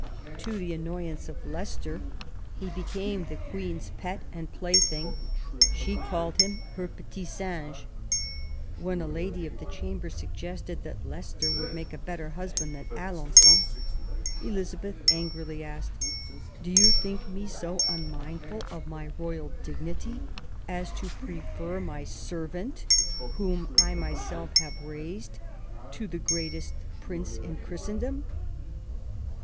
To the annoyance of Leicester he be came the Queen's pet and plaything ; she called him her " petit singe ". When a lady of the chamber suggested that Leicester would make a better hus band than Alen9on, Elizabeth angrily asked :" Do you think me so unmindful of my Royal dignity as to prefer my servant, whom I myself have raised, to the greatest Prince in Christendom